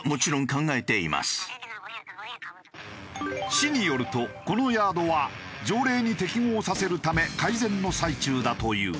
市によるとこのヤードは条例に適合させるため改善の最中だという。